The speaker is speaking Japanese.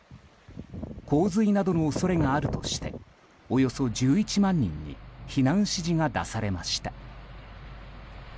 洪水などの恐れがあるとしておよそ１１万人に避難指示が出されました。